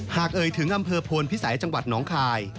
เอ่ยถึงอำเภอโพนพิสัยจังหวัดน้องคาย